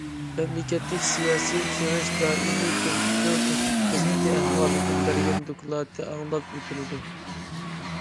مەملىكەتلىك سىياسىي كېڭەش دائىمىي كومىتېتىنىڭ تەكلىپ خىزمىتى ئەھۋالىدىن بەرگەن دوكلاتى ئاڭلاپ ئۆتۈلىدۇ.